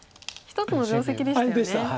一つの定石でしたよね。